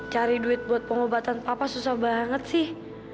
cari duit buat pengobatan papa susah banget sih